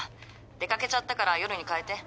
出掛けちゃったから夜に変えて。